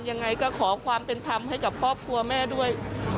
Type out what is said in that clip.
ยังไงก็ขอความเป็นธรรมให้กับครอบครัวแม่ด้วย